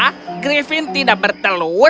a griffin tidak bertelur